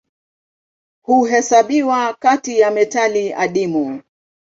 Huhesabiwa kati ya metali adimu.